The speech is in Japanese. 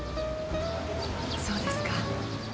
そうですか。